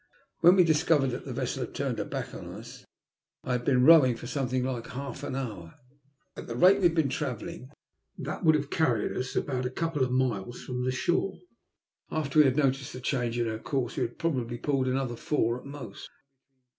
When we discovered that the vessel had turned her back on us I bad been rowing for something like half an hour. 186 THE LUST OF HATE. At the rate we had been travelling that would hare carried us about a couple of miles from the shore. After we had noticed the change in her course we had probably pulled another four at most.